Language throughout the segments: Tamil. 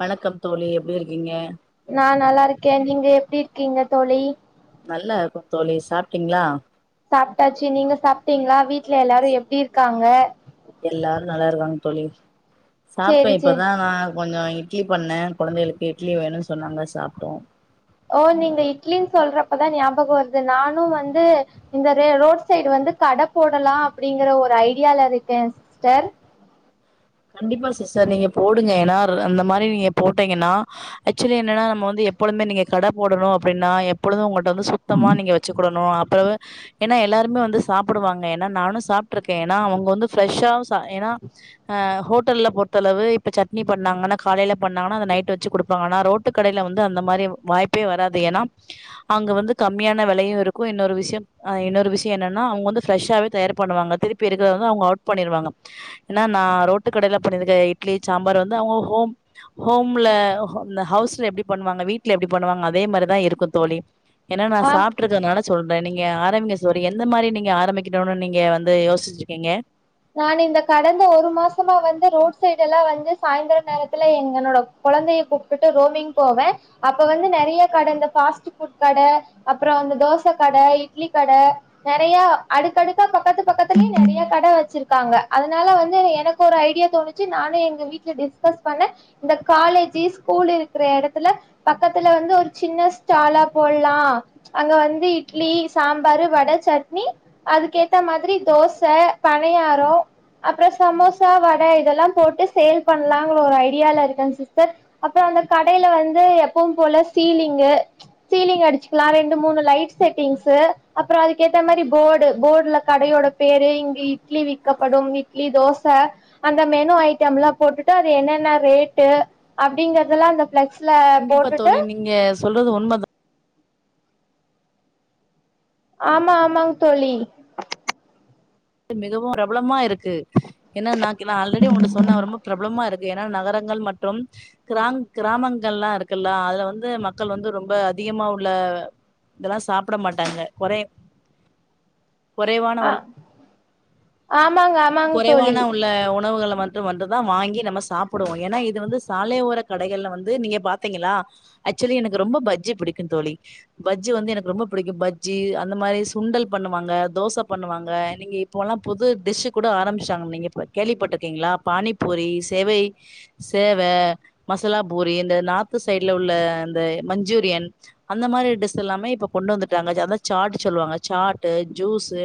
வணக்கம் தோழி எப்டி இருக்கீங்க நா நல்லா இருக்கேன் நீங்க எப்டி இருக்கீங்க தோழி நல்ல இருக்கோ தோழி சாப்ட்டீங்களா சாப்ட்டாச்சு நீங்க சாப்ட்டீங்களா வீட்ல எல்லாரு எப்டி இருக்காங்க எல்லாரு நல்லா இருக்காங்க தோழி சாப்டே சேரி சேரி இப்பதா நா கொஞ்சம் இட்லி பண்ணன் குழந்தைகளுக்கு இட்லி வேணு சொன்னாங்க சாப்ட்டோம் ஓ நீங்க இட்லின்னு சொல்றப்பதான் ஞாபகம் வருது நானும் வந்து இந்த ரோட் சைடு வந்து கடை போடலாம் அப்படிங்கற ஒரு ஐடியால இருக்கேன் சிஸ்டர் கண்டிப்பா சிஸ்டர் நீங்க போடுங்க ஏன்னா அந்த மாதிரி நீங்க போட்டீங்கன்னா ஆக்சுவலி என்னன்னா நம்ம வந்து எப்பொழுமே நீங்க கடை போடணும் அப்படின்னா எப்பொழுதும் உங்க வந்து சுத்தமா நீங்க வச்சுக்கடணும் அப்ப ஏன்னா எல்லாருமே வந்து சாப்பிடுவாங்க நானும் சாப்ட்டுருக்கேன் ஏன்னா அவங்க வந்து ப்ரெஷ்ஷா ஏன்னா ஹோட்டல்ல பொருத்தளவு இப்ப சட்னி பண்ணாங்கன்னா காலைல பண்ணாங்கன்னா அத நைட் வச்சு குடுப்பாங்க ஆனா ரோட்டு கடைல வந்து அந்த மாதிரி வாய்ப்பே வராது ஏனா அங்க வந்து கம்மியான விலையு இருக்கு இன்னொரு விஷயம் என்னென்ன அவஙக வந்து பிரெஷ்ஷாவே தயார் பண்ணுவாங்க திருப்பி இருக்குறத அவங்க அவுட் பண்ணிடுவாங்க ஏ னா நான் ரோட்டு கடையில பண்ணியிருக்க இட்லி சாம்பார் வந்து அவங்க ஹோம் ஹோம்ல ஹவுஸ்ல எப்படி பண்ணுவாங்க வீட்டுல எப்படி பண்ணுவாங்க அதே மாதிரிதான் இருக்கும் தோழி ஏன்னா நான் ஆம் சாப்ட்ருக்கறதுனால சொல்றேன் நீங்க ஆரம்பிங்க தோழி எந்த மாதிரி நீங்க ஆரம்பிக்கணும்னு நீங்க வந்து யோசிச்சிருக்கீங்க நான் இந்த கடந்த ஒரு மாசமா வந்து ரோட் சைடு எல்லாம் வந்து சாயந்திரம் நேரத்துல எங்கோட குழந்தைய கூப்பிட்டுட்டு ரோமிங் போவேன் அப்ப வந்து நிறைய கடை இந்த பாஸ்ட்புட் கடை அப்புறம் அந்த தோசை கடை இட்லி கடை நிறைய அடுக்கடுக்கு பக்கத்த பக்கத்தல நறயா கட ச்சிருக்காங்க அதனால வந்து எனக்கு ஒரு ஐடியா தோணுச்சு நானும் எங்க வீட்டுல டிஸ்கஸ் பண்ணேன் இந்த காலேஜி ஸ்கூல் இருக்கிற இடத்துல பக்கத்துல வந்து ஒரு சின்ன ஸ்டாலா போட்லாம் அங்க வந்து இட்லி சாம்பாரு வட சட்னி அதுக்கேத்த மாதிரி தோசை பனியாரம் அப்புறம் சமோசா வடை இதெல்லாம் போட்டு சேல் பண்ணலாங்கற ஒரு ஐடியால இருக்கேன் சிஸ்டர் அப்புறம் அந்த கடையில வந்து எப்பவும் போல சீலிங் சீலிங் அடிச்க்லாம் ரெண்டு மூணு லைட் செட்டிங்ஸு அப்புறம் அதுக்கேத்த மாதிரி போர்டு போர்டுல கடையோட பேரு இட்லி விக்கப்படும் இட்லி தோசை அந்த மெனு ஐட்டம்லா போட்டுட்டு அது என்னென்ன ரேட்டு அப்படிங்கறதெல்லாம் அந்த பிளக்ஸ் கண்டிப்பா தோழி நீங்க சொல்றது உண்மைதான் ஆமா ஆமாங்க தோழி அது மிகவும் பிரபலமா இருக்கு ஏன்னா ஆல்ரெடி உங்கள்ட்ட சொன்ன ரொம்ப பிரபலமா இருக்கு ஏன்னா நகரங்கள் மற்றும் கிரா கிராமங்கள்லா இருக்குல்ல அதுல வந்து மக்கள் வந்து ரொம்ப அதிகமா உள்ள இதெல்லாம் சாப்பிட மாட்டாங்க குறை குறைவான ஆ உள் ஆமாங்க ஆமாங்க தோழி வந்துதான் வாங்கி நம்ம சாப்பிடுவோம் ஏன்னா இது வந்து சாலையோர கடைகள்ல வந்து நீங்க பாத்தீாக்கலா எனக்கு ரொம்ப பஜ்ஜி பிடிக்கும் தோழி பஜ்ஜி வந்து எனக்கு ரொம்ப பிடிக்கும் பஜ்ஜி அந்த மாதிரி சுண்டல் பண்ணுவாங்க தோசை பண்ணுவாங்க இப்போல்லாம் புது டிஷ்ஷு கூட ஆரம்பிச்சாங்க நீங்கள் இப்போ கேள்விப்பட்டிருக்கீங்களா பானிப்பூரி சேவை சேவை மசாலா பூரி இந்த நார்த்து சைடில் உள்ள இந்த மஞ்சூரியன் அந்த மாதிரி டிஷஸ் எல்லாமே இப்போ கொண்டு வந்துட்டாங்க அதான் சாட்டு சொல்லுவாங்க சாட்டு ஜூஸு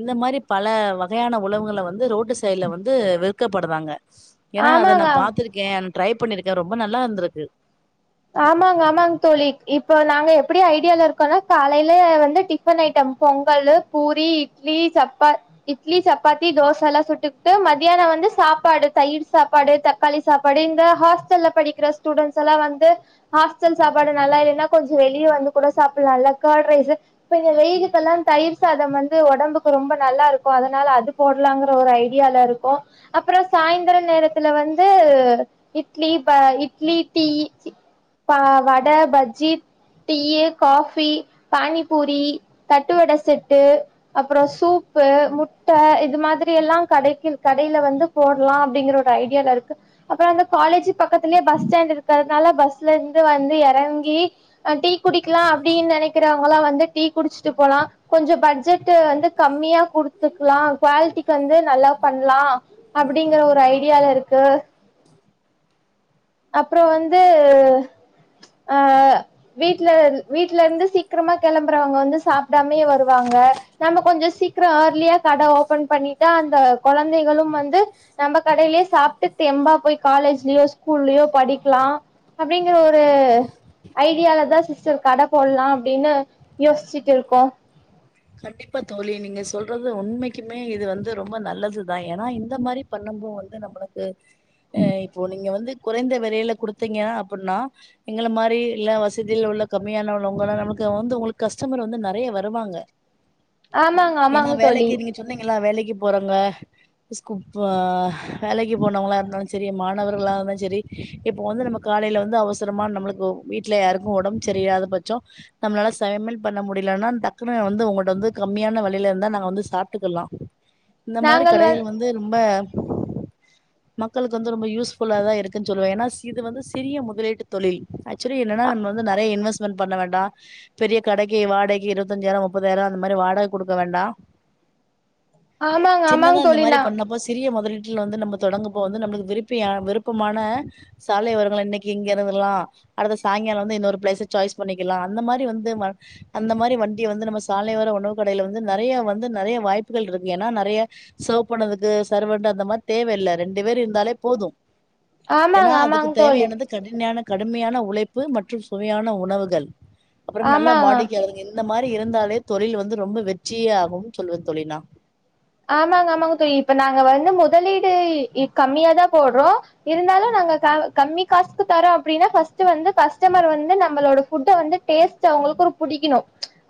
இந்த மாரி பல வகையான உணவுகளை வந்து ரோடு சைடில் வந்து விற்கப்படுறாங்க ஏன்னா அத ஆமாங்க நான் ஆம் பார்த்திருக்கேன் ட்ரை பண்ணிருக்கேன் ரொம்ப நல்லா இருந்திருக்கு ஆமாங்க ஆமாங்க தோழி இப்போ நாங்க எப்படி ஐடியால இருக்கோம்னா காலையில வந்து டிஃபன் ஐட்டம் பொங்கல் பூரி இட்லி சப்பா இட்லி சப்பாத்தி தோசை எல்லாம் சுட்டுக்கிட்டு மத்தியானம் வந்து சாப்பாடு தயிர் சாப்பாடு தக்காளி சாப்பாடு இந்த ஹாஸ்டல்ல படிக்கிற ஸ்டூடெண்ட்ஸ் எல்லாம் வந்து ஹாஸ்டல் சாப்பாடு நல்லா இல்லைன்னா கொஞ்சம் வெளியே வந்து கூட சாப்பிடல்லா கர்ட் ரைஸ் இப்போ வெயிலுக்குெல்லாம் தயிர் சாதம் வந்து உடம்புக்கு ரொம்ப நல்லா இருக்கும் அதனால அது போடலாங்கிற ஒரு ஐடியாலால இருக்கும் அப்புறம் சாய்ந்திரம் நேரத்துல வந்து இட்லி ப இட்லி டீ வடை பஜ்ஜி டீய காபி பானிபூரி தட்டுவடை செட்டு அப்புறம் சூப்பு முட்டை இது மாதிரி எல்லாம் கடை கடையில வந்து போடலாம் அப்படிங்கற ஒரு ஐடியால இருக்கு அப்புறம் அந்த காலேஜ் பக்கத்திலயே பஸ் ஸாண்ட் இருக்கிறதுனால பஸ் ல இருந்து வந்து இறங்கி் டீ குடிக்கலாம் அப்படின்னு நினைக்கிறவங்கலாம் வந்து டீ குடிச்சுட்டு போலாம் கொஞ்சம் பட்ஜெட் வந்து கம்மியா குடுத்துக்கலாம் குவாலிட்டிக்கு வந்து நல்லா பண்ணலாம் அப்படிங்கற ஒரு ஐடியால இருக்கு அப்புறம் வந்து அஹ் வீட்ல வீட்ல இருந்து சீக்கிரமா கிளம்புறவங்க வந்து சாப்பிடாமே வருவாங்க நம்ம கொஞ்சம் சீக்கிரம் ஏர்லியா கடை ஓபன் பண்ணிட்டா அந்த குழந்தைகளும் வந்து நம்ம கடையிலயே சாப்பிட்டு தெம்பா போய் காலேஜ்லயோ ஸ்கூல்லயோ படிக்கலாம் அப்படிங்கிற ஒரு ஐடியாலதான் சிஸ்டர் கடை போடலாம் அப்படின்னு யோசிச்சுட்டு இருக்கோம் கண்டிப்பா தோழி நீங்க சொல்றது உண்மைக்குமே இது வந்து ரொம்ப நல்லதுதான் ஏன்னா இந்த மாதிரி பண்ணம்பும் போது நம்மளுக்கு அஹ் இப்போ நீங்க வந்து குறைந்த விலையில குடுத்தீங்க அப்படின்னா எங்களை மாதிரி இல்ல வசதியில உள்ள கம்மியானவங்கல்லாம் நம்மளுக்கு வந்து உங்களுக்கு கஸ்டமர் வந்து நிறைய வருவாங்க ஆமாங்க ஏன்னா ஆமாங்க தோழி வேலைக்கு நீங்க சொன்னீங்களா வேலைக்கு போறாங்க வேலைக்கு போனவங்களா இருந்தாலும் சரி மாணவர்களா இருந்தும் சரி இப்ப வந்து நம்ம காலையில வந்து அவசரமா நம்மளுக்கு வீட்டுல யாருக்கும் உடம்பு சரியாத பட்சம் நம்மளால சமையல் பண்ண முடியலனா வ நம்மட்ட வந்து கம்மியான வெலயில இருந்தா நாங்க வந்து சாப்பிட்டுக்கலாம் இந்த மாரி நாங்கள் வந் கடைகள் வந்து ரொம்ப மக்களுக்கு வந்து ரொம்ப யூஸ் புல்லா தான் இருக்குன்னு சொல்லுவேன் ஏன்னா இது வந்து சிறிய முதலீட்டு தொழில் ஆக்சுவலி என்னன்னா நம்ம வந்து நெறய இன்வெஸ்ட்மெண்ட் பண்ண வேண்டாம் பெரிய கடைக்கு வாடகை இருபத்தஞ்சாயிரம் மு முப்பதாயிரம் அந்த மாரி வாடகை குடுக்க வேண்டாம் ஆமாங்க ஆமாங்க சின்னதான் இந்த தோழி மாரி நா பண்ணப்போ சிறிய முத லீட்ல வந்து நம்ம தொடங்க போது நம்மளுக்கு விருப்பி விருப்பமான சாலை ஒரங்களை இன்னைக்கு இங்க இருந்துறலாம் அடுத்த சாயங்காலம் வந்து இன்னொரு பிளேஸ் சாய்ஸ் பண்ணிக்கலாம் அந்த மாரி வந்து அந்த மாரி வண்டிய வந்து நம்ம சாலை ஓர உணவு கடையில வந்து நெறய வந்து நெறய வாய்ப்புகள் இருக்கு ஏன்னா நெறய செர்வ் பண்ணதுக்கு சர்வர் அந்த மாரி தேவையில்லை ரெண்டு பேர் இருந்தாலே போதும் ஏன்னா ஆமாங்க அதுக்கு ஆமாங்க தோழி தேவையானது கடுனையான கடுமையான உழைப்பு மற்றும் சுவையான உணவுகள் அப்பறம் நல்லா ஆமாங்க வாடிக்கையாளர்கள் என்ன அந்த மாரி இருந்தாலே தொழில் வந்து ரொம்ப வெற்றியே ஆகும்னு சொல்வேன் தோழி நா ஆமாங்க ஆமாங்க தோழி இப்ப நாங்க வந்து முதலீடு கம்மியா தான் போடறோம் இருந்தாலும் நாங்க கம்மி காசுக்கு தரோம் அப்படினா ஃபர்ஸ்ட் வந்து கஸ்டம்பர் வந்து நம்மளோட ஃபுட்ஹ வந்து டேஸ்ட் அவங்களுக்கும் புடிக்கணும்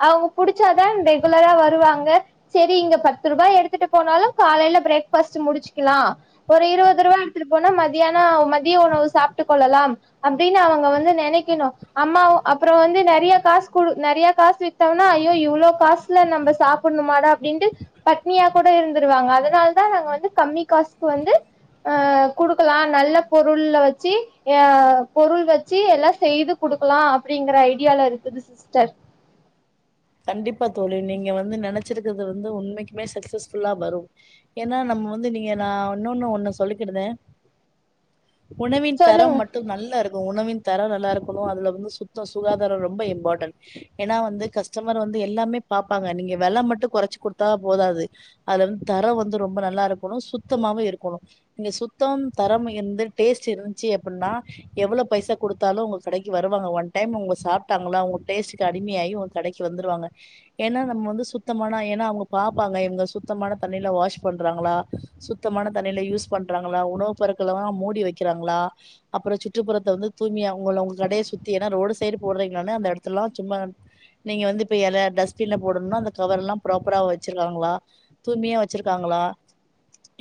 அவங்க புடிச்சா தான் ரெகுலரா வருவாங்க சரிங்க பத்து ரூபாய் எடு த்துட்டு போனாலும் காலையில பிரேக்பாஸ்ட் முடிச்சுக்கலாம் ஒரு இருபது ரூபா எடுத்துட்டு போனா மதியானம் மதியம் உணவு சாப்பிட்டு கொள்ளலாம் அப்படின்னு அவங்க வந்து நினைக்கணும் அம்மாவ அப்புறம் வந்து நெறய காசு குடு நெறய காசு வித்தோம்னா ஐயோ இவ்ளோ காசுல நம்ம சாப்பிடணுமாட அப்பிடின்ட்டு பட்னியா கூட இருந்துருவாங்க அதனால தான் நாங்க வந்து கம்மி காசுக்கு வந்து அஹ் குடுக்கலாம் நல்ல பொருள் வச்சு அஹ் பொருள் வச்சு எல்லாம் செய்து குடுக்கலாம் அப்படிங்கற ஐடியால இருக்குது சிஸ்டர் கண்டிப்பா தோழி நீங்க வந்து நினைச்சிருக்கறது வந்து உண்மைக்குமே சக்சஸ் ஃபுல்லாஹ வரும் ஏன்னா நம்ம வந்து நீங்க நான் இன்னொன்னு ஒன்னு சொல்லிக்கிடுதேன் உணவின் சொல்லுங்க தரம் மட்டும் நல்லா இருக்கும் உணவின் தரம் நல்லா இருக்கணும் அதுல வந்து சுத்தம் சுகாதாரம் ரொம்ப இம்பார்டன்ட் ஏன்னா வந்து கஷ் கஸ்டமர் வந்து எல்லாமே பார்ப்பாங்க நீங்க வெல மட்டும் குறச்சு கொடுத்தா போதாது அதுல வந்து தரம் வந்து ரொம்ப நல்லா இருக்கணும் சுத்தமவும் இருக்கணும் இங்க சுத்தம் தரம் இருந்து டேஸ்ட் இருந்துச்சு அப்படின்னா எவ்வளோ பைசா குடுத்தாலும் உங்க கடைக்கு வருவாங்க ஒன் டைம் அவங்க சாப்பிட்டாங்கள உங்க டேஸ்டு அடிமையாகி கடைக்கு வந்துருவாங்க ஏன்னா நம்ம வந்து சுத்தமான ஏன்னா அவங்க பார்ப்பாங்க இவங்க சுத்தமான தண்ணில வாஷ் பண்றாங்களா சுத்தமான தண்ணில யூஸ் பண்றாங்களா உணவுப் பொருட்கள்லாம் மூடி வைக்கிறாங்களா அப்பறம் சுற்றுப்புறத்த வந்து தூய்மையாவும் உங்களோ உங்க கடைய சுத்தி ஏன்னா ரோடு சைடு போடுறீங்களானு அந்த இடத்தெல்லாம் சும்மா நீங்க வந்து இப்ப எல டஸ்ட்பின்ல போடணும்னா அந்த கவர் எல்லாம் ப்ராப்பரா வச்சிருக்காங்களா தூய்மையா வச்சுருக்காங்களா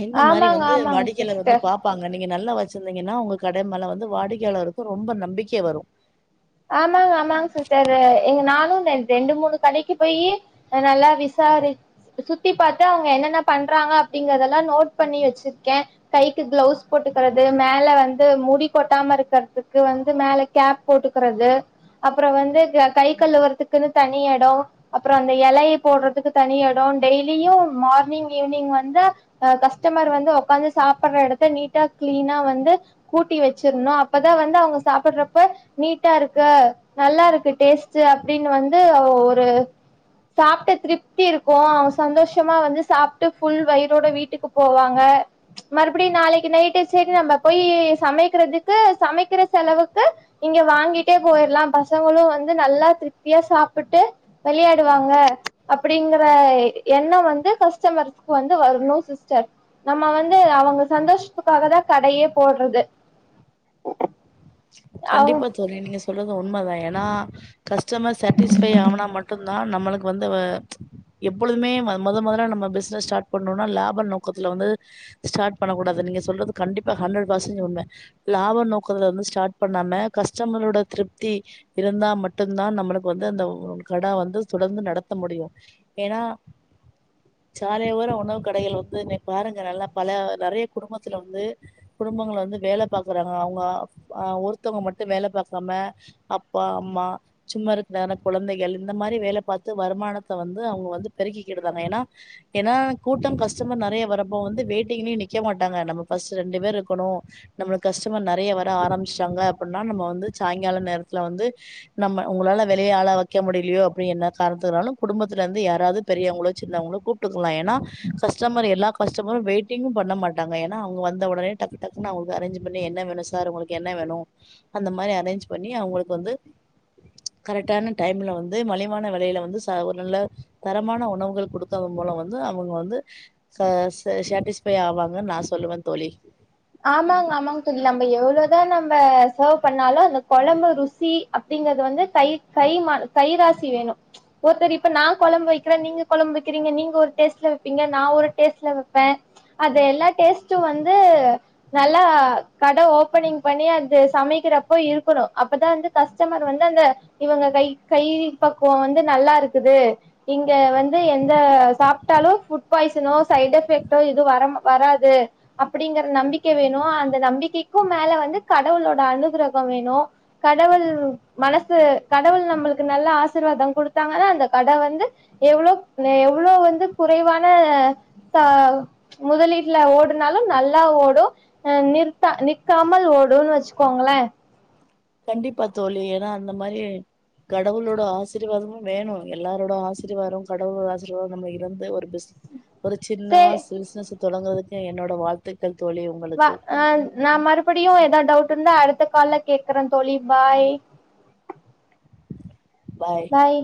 இந்த மாரி ஆமாங்க வந்து ஆமாங்க வாடிக்கையாளர் வந்து சிஸ்டர் பார்ப்பாங்க நீங்க நல்லா வ ச்சிருந்தீங்கன்னா உங்க கட மேல வந்து வாடிக்கையாளருக்கு ரொம்ப நம்பிக்கை வரு ஆமாங்க ஆமாங்க சிஸ்டர் எ நானு ரெண்டு மூணு கடைக்கு போய் நல்லா விசாரி சுத்தி பாத்து அவுங்க என்னென்ன பண்றாங்க அப்படிங்கறெல்லா நோட் பண்ணி வச்சிருக்கே கைக்கு க்ளவுஸ் போட்டுக்கறது மேல வந்து முடி கொட்டாம இருக்கற்துக்கு வந்து மேல கேப் போட்டு கிறது அப்பறோ வந்து க கை கழுவற்துக்குன்னு தனி எடோ அப்பறோ அந்த எலய போட்றதுக்கு தனி எடோ டெய்லியு மார்னிங் ஈவினிங் வந்து அ கஸ்டமர் வந்து உக்காந்து சாப்பட்ற எடத்த நீட்டா க்ளீனா வந்து கூட்டி வச்சிர்ணு அப்பதா வந்து அவங்க சாப்புட்றப்ப நீட்டா இருக்கு நல்லா இருக்கு டேஸ்ட்டு அப்டின் வந்து ஒ ஒரு சாப்ட்ட திருப்தி இருக்கு அவுங் சந்தோஷமா வந்து சாப்ட்டு ஃபுல் வய்றோட வீட்டுக்கு போவாங்க ச்ச் மறுபிடியு நாளைக்கு நைட்டு சரி நம்ம போய் சமைக்கிறதுக்கு சமைக்குற செலவுக்கு இங்க வாங்கிட்டே போய்ர்லா பசங்களு வந்து நல்லா திருப்தியா சாப்புட்டு வெளையாடுவாங்க அப்படிங்கிற எண்ணோ வந்து கஸ்டமர்க்கு வந்து வர்ணு சிஸ்டர் நம்ம வந்து அவங்க சந்தோஷ்த்துக்காக தா கடையே போடுறது அவங்க கண்டிப்பா தோழி நீங்க சொல்றது உ உண்ம தா ஏன்னா கஸ்டமர் சாட்டிஸ்ஃபை ஆனா மட்டுந்தா நம்மளுக்கு வந்து அ ச்ச் எப்பொழுதுமே மொதன்மொதல நம்ம பிசினஸ் ஸ்டாட் பண்ணோம்னா லாப நோக்கத்துல வந்து ஸ்டாட் பண்ண கூடாது நீங்க சொல்றது கண்டிப்பா ஹண்ரேடு ஃபர்ஸன்டேஜ் உண்மை லாப நோக்கத்துல வந்து ஸ் டாட் பண்ணாம கஸ்டமரோட திருப்தி இருந்தா மட்டுந்தா நம்மளுக்கு வந்து அந்த ஒ கட வந்து தொடந்து நடத்த முடியு ஏன்னா சாலையோர உணவு கடைகள் வந்து இன்னைக் பாருங்க பல நெறய குடும்பத்துல வந்து குடும்பங்ள வந்து வேல பார்க்கறாங்க அவுங்க அ ஒருத்தொவ்ங்க மட்டு வேல பாக்காம அப்பா அம்மா சும்மா இருக்க குழந்தைகள் இந்த மாரி வேல பார்த்து வருமானத்தை வந்து அவுங்க வந்து பெருக்கிக்கிட்டுதாங்க ஏன்னா ஏன்னா கூட்டம் கஸ்டமர் நெறய வரப்போ வந்து வெயிட்டிங்லியு நிக்க மாட்டாங்க நம்ம ஃபர்ட்டு ரெண்டு பேர் இருக்கணு நம்ம கஸ்டமர் நெறய வர ஆரம்பிஷ்டாங்க அப்பினா வந்து சாய்ங்கால நேரத்துல வந்து நம்ப உங்களால வெளியால வெக்க முடியலியூ அப்டிங் காரணத்தாலு குடும்பத்தலருந்து யாராது பெரியவங்களோ சின்னவாங்களோ கூப்புட்க்லா ஏனா கஸ்டமர் எல்லா கஸ்டமரு வெயிட்டிங்கு பண்ண மாட்டாங்க ஏன அவுங்க வந்த ஒடனே டக்கு டக்குனு அவுங்களுக் அரேஞ்ச்சு பண்ணி என்ன வேணு சொ சார் உங்களுக்கு என்ன வேணு அந்த மாரி அரேஞ்ச் பண்ணி அவுங்களுக்கு வந்து கரெக்டான டைம்ல வந்து மலிவான வெலயில வந்து ச ஒரு நல்ல தரமான உணவுகள் குடுக்கதன் மூலம் வந்து அவுங்க வந்து ச‌ ச சாட்டிஸ்ஃபை ஆவாங்கன்னு நா சொல்லுவே தோழி ஆமாங் ஆமாங் தோழி நம்ம எவ்ளதா நம்ப சேவ் பண்ணாலு அந்த கொழம்பு ருசி அப்டிங்கற்து வந்து கை கை மா கை ராசி வேணு ச்ச் ஒருத்தர் இப்ப நா கொழம்பு வைக்றே நீங்க கொழம்பு வெக்கிறீங்ங நீங்க ஒரு டேஸ்ட்ல வெப்பீங்க நா ஒரு டேஸ்ட்ல வெப்பே அது எல்லா டேஸ்ட்டு வந்து நல்லா கட ஓபனிங் பண்ணி அது சமைக்கிறப்போ இருக்கணு அப்பதா வந்து கஸ்டமர் வந்து அந்த இவங்க கை கை பக்குவோ வந்து நல்லாருக்குது இங்க வந்து எ ப்ப சாப்பிட்டாலு ஃபுட் பாய்சனோ சைட் எஃபெக்ட்டோ எது வரமா வராது அப்படிங்குற நம்பிக் க வேணு அந்த நம்பிக்கைக்கு மேல வந்து கடவுளோட அனுகிரகோ வேணு கடவுள் மனசு கடவுள் நம்மளுக்கு நல்ல ஆசிர்வாதோ குடுத்தாங்கன்னா அந்த கட வந்து எவ்ளோ வே எவ்ளோ வந்து குறைவான த ச்ச் முதலீட்ல ஓடுனாலு நல்லா ஓடோ அ நிறுத்தா நிக்காமல் ஓடுன் வச்சுக்கோங்களே கண்டிப்பா தோழி ஏனா அந்த மாரி கடவுளோட ஆசீர்வாதமு வேணு எல்லாரோட ஆசீர்வாதோ கடவுளோட ஆசீர்வாதோ நம்ம இருந்து ஒரு பிசி ஒரு சின்னா சரி [unintelligible] தொடங்குறதுக்கு என்னோட வாழ்த்துகள் வா அ நா மறுபடியு ஏதா டவுட் இந்தா அடுத்த கால்ல கேக்குறே தோழி பாய் பாய்